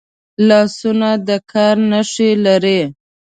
لاسونه د کار نښې لري